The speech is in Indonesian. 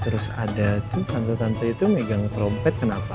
terus ada itu tante tante itu megang trompet kenapa